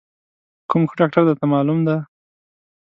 کوم ښه ډاکتر درته معلوم دی؟